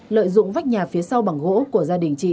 lợi dụng vách nhà phía sau bằng gỗ của gia đình chị